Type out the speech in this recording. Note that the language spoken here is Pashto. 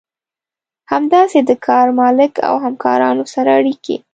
همداسې د کار مالک او همکارانو سره اړيکې.